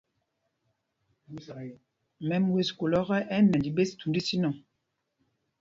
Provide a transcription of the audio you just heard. Mɛm wes kūl ɔ́kɛ, ɛ́ ɛ́ nɛnj ɓes thūnd ísínɔŋ.